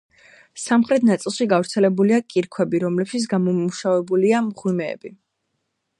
სამხრეთ ნაწილში გავრცელებულია კირქვები, რომლებშიც გამომუშავებულია მღვიმეები.